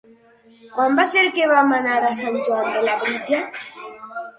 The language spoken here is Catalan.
Quan va ser que vam anar a Sant Joan de Labritja?